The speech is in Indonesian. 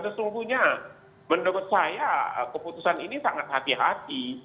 dan sebetulnya menurut saya keputusan ini sangat hati hati